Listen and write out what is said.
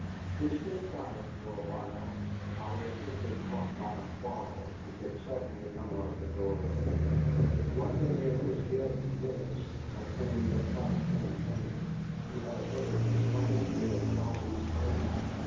We stood silent for a while, our attention caught by a quarrel which had suddenly come out of the doorway. One of the men was Jim Willis, my friend of Clark's campaign, who had a Henderson claim near Shawanee Springs.